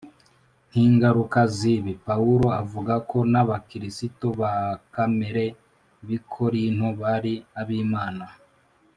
Nk'ingaruka z'ibi, Pawulo avuga ko n'abakristo ba kamere b'i Korinto bari ab'Imana